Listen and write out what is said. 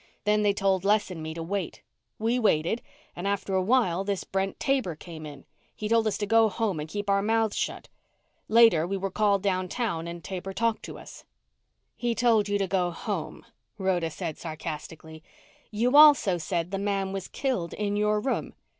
Then they told Les and me to wait. We waited, and after a while this Brent Taber came in. He told us to go home and keep our mouths shut. Later, we were called downtown and Taber talked to us." "He told you to go home," Rhoda said sarcastically. "You also said the man was killed in your room.